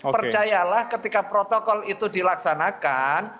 percayalah ketika protokol itu dilaksanakan